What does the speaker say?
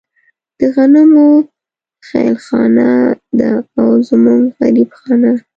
د غمونو خېلخانه ده او زمونږ غريب خانه